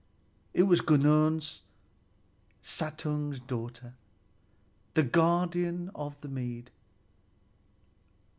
It was Gunnlöd, Suttung's daughter, the guardian of the mead.